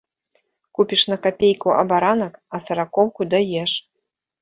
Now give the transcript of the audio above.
Купіш на капейку абаранак, а саракоўку даеш.